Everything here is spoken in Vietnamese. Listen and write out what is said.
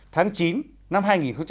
tháng chín năm hai nghìn một mươi sáu